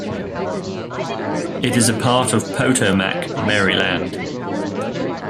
It is a part of Potomac, Maryland.